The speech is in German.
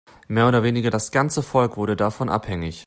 Mehr oder weniger das ganze Volk wurde davon abhängig.